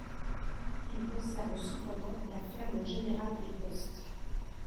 Il conserve cependant la Ferme générale des Postes.